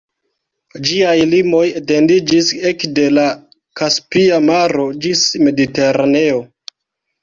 Ĝiaj limoj etendiĝis ekde la Kaspia Maro ĝis Mediteraneo.